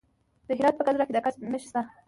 د هرات په ګذره کې د ګچ نښې شته.